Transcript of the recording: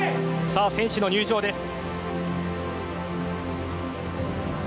さあ、選手の入場です。